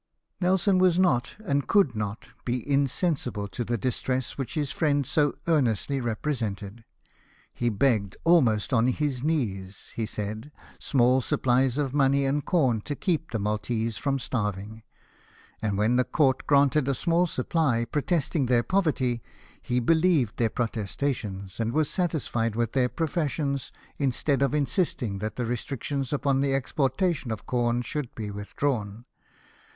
Nelson was not, and could not, be insensible to the distress which his friend so earnestly represented. He begged, almost on his knees, he said, small sup plies of money and corn to keep the Maltese from starving. And when the court granted a small supply, protesting their poverty, he believed their protesta tions, and was satisfied with their professions, instead of insisting that the restrictions upon the exportation of corn should be withdrawn.